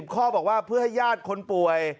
ข้อบอกว่าเพื่อให้ญาติคนป่วย